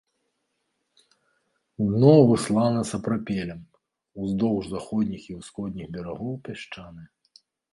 Дно выслана сапрапелем, уздоўж заходніх і ўсходніх берагоў пясчанае.